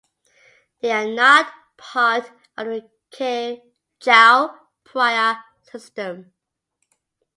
They are not part of the Chao Praya system.